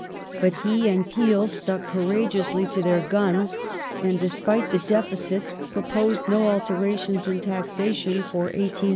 But he and Peel stuck courage ously to their guns, and, despite the deficit, proposed no altera tions in taxation for 1843 1844.